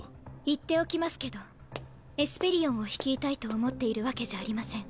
言っておきますけどエスペリオンを率いたいと思っているわけじゃありません。